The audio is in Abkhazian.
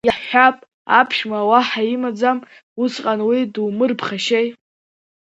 Иаҳҳәап, аԥшәма уаҳа имаӡам, усҟан уи думырԥхашьеи!